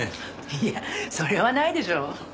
いやそれはないでしょ。